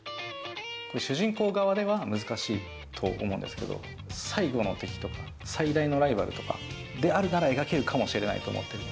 主人公側では難しいと思うんですけど、最後の敵とか、最大のライバルとかであるなら描けるかもしれないと思って。